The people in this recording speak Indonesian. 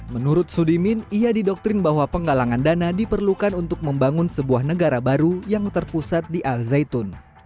menurut sudimin ia didoktrin bahwa penggalangan dana diperlukan untuk membangun sebuah negara baru yang terpusat di al zaitun